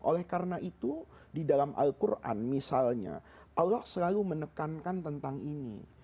oleh karena itu di dalam al quran misalnya allah selalu menekankan tentang ini